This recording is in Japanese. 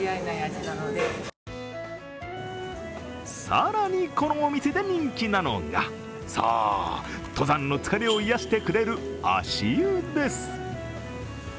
更にこのお店で人気なのがそう、登山の疲れを癒やしてくれる足湯です。